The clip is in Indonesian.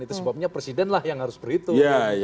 itu sebabnya presiden lah yang harus berhitung